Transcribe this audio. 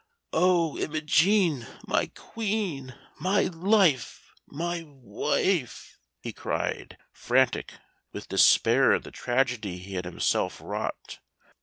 "O Imogen! My queen, my life, my wife!" he cried, frantic with despair at the tragedy he had himself wrought.